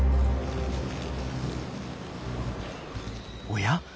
おや？